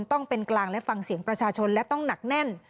ต้องเป็นกลางและฟังเสียงประชาชนและต้องหนักแน่น